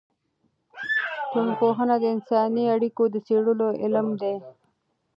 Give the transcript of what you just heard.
ټولنپوهنه د انساني اړیکو د څېړلو علم دی.